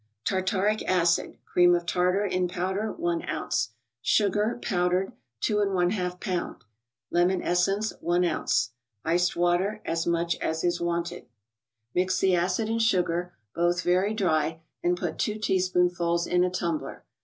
Tartaric acid (cream of tartar) in powder, i oz. ; Sugar, powdered, 2%. lb.; Lemon essence. 1 oz. Iced water, as much as is wanted. Mix the acid and sugar, both very dry, and put two teaspoonfuls in a tumbler.